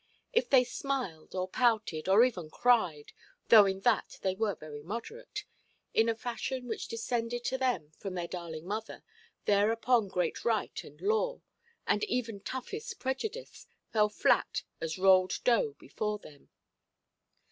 If they smiled, or pouted, or even cried—though in that they were very moderate—in a fashion which descended to them from their darling mother, thereupon great right and law, and even toughest prejudice, fell flat as rolled dough before them.